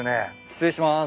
失礼します。